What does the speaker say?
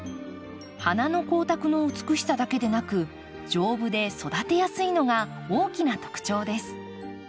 花の光沢の美しさだけでなく丈夫で育てやすいのが大きな特徴です。